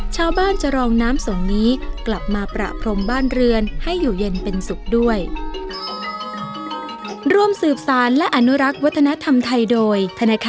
ชาวบ้านจะรองน้ำส่งนี้กลับมาประพรมบ้านเรือนให้อยู่เย็นเป็นสุขด้วย